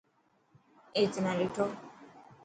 اي تنا ڏٺو.